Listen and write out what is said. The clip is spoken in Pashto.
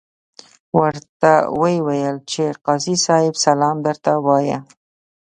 ورته ویې ویل چې قاضي صاحب سلام درته وایه.